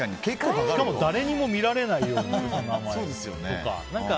しかも誰にも名前を見られないようにとか。